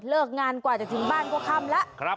เลิกงานกว่าจะถึงบ้านก็ค่ำแล้ว